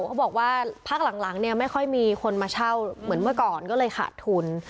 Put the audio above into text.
เขาบอกว่าพักหลังเนี่ยไม่ค่อยมีคนมาเช่าเหมือนเมื่อก่อนก็เลยขาดทุน